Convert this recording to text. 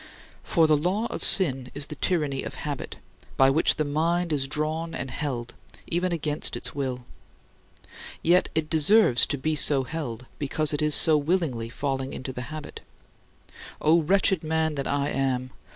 For the law of sin is the tyranny of habit, by which the mind is drawn and held, even against its will. Yet it deserves to be so held because it so willingly falls into the habit. "O wretched man that I am!